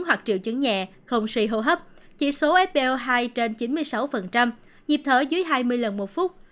hoặc triệu chứng nhẹ không suy hô hấp chỉ số fl hai trên chín mươi sáu nhịp thở dưới hai mươi lần một phút